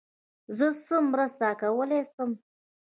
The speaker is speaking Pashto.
زه څه مرسته کولای سم.